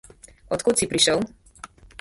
Od kje si prišel?